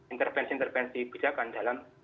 intervensi intervensi pijakan dalam